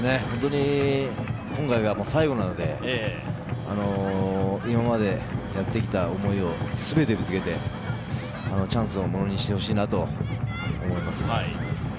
本当に今回が最後なので今までやってきた思いを全てぶつけてチャンスをものにしてほしいなと思います。